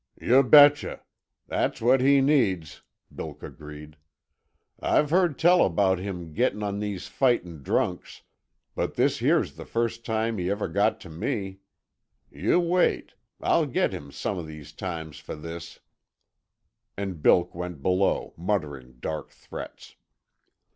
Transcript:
"Yuh betche. That's what he needs," Bilk agreed. "I've heard tell about him gettin' on these fightin' drunks, but this here's the first time he ever got t' me. Yuh wait. I'll git him some uh these times for this." And Bilk went below, muttering dark threats.